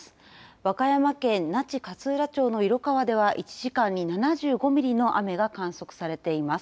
和歌山県那智勝浦町の色川では１時間に７５ミリの雨が観測されています。